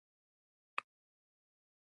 دوی په خپلو املاکو کې بیلابیل صنعتکاران لرل.